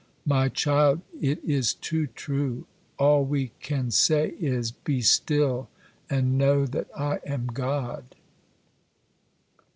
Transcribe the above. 'My child, it is too true; all we can say is, "Be still, and know that I am God!"